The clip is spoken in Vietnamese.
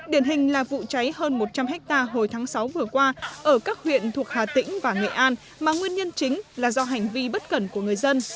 đình chỉ có vụ cháy hơn một trăm linh ha hồi tháng sáu vừa qua ở các huyện thuộc hà tĩnh và nghệ an mà nguyên nhân chính là do hành vi bất cẩn của người dân